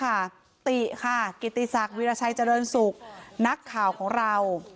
คุณติกิฤติสัครวิรัชัยเจริญสุกวันนักข่าวของเรา